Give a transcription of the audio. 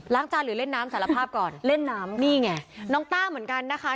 จานหรือเล่นน้ำสารภาพก่อนเล่นน้ำนี่ไงน้องต้าเหมือนกันนะคะ